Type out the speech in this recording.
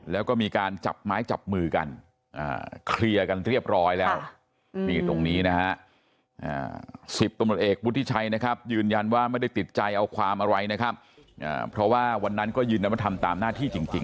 แล้วก็มีการจับไม้จับมือกันเคลียร์กันเรียบร้อยแล้วนี่ตรงนี้นะฮะ๑๐ตำรวจเอกวุฒิชัยนะครับยืนยันว่าไม่ได้ติดใจเอาความอะไรนะครับเพราะว่าวันนั้นก็ยืนยันว่าทำตามหน้าที่จริง